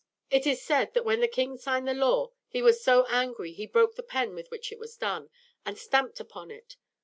It is said that when the king signed the law he was so angry he broke the pen with which it was done, and stamped upon it.